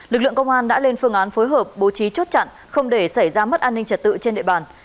lực lượng công an đã lên phương án phối hợp bố trí chốt chặn không để xảy ra mất an ninh trật tự trên địa bàn